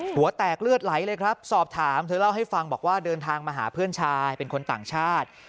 หัวแตกเลือดไหลเลยครับสอบถามเธอเล่าให้ฟังบอกว่าเดินทางมาหาเพื่อนชายเป็นคนต่างชาติ